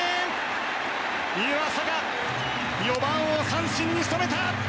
湯浅が４番を三振に仕留めた！